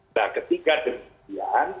nah ketika demikian